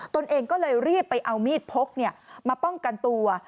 ตัวเองก็เลยรีบไปเอามีดพกมาป้องกันตัว